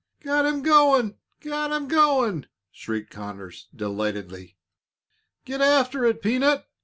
"Got him going! Got him going!" shrieked Conners, delightedly. "Get after it, Peanut.